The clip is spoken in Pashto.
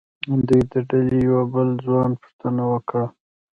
د دوی د ډلې د یوه بل ځوان پوښتنه وکړه.